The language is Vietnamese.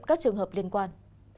các trường hợp liên quan